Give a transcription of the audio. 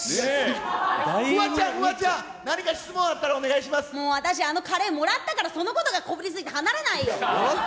フワちゃん、フワちゃん、もう私、あのカレー、もらったから、そのことがこびりついて離れないよ。